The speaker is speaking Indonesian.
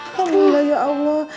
alhamdulillah ya allah